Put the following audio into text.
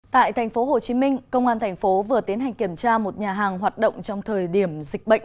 tại tp hcm công an thành phố vừa tiến hành kiểm tra một nhà hàng hoạt động trong thời điểm dịch bệnh